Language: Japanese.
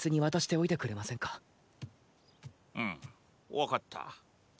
分かった。